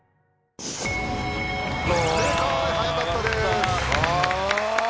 正解早かったです。